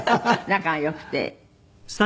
「仲がよくて」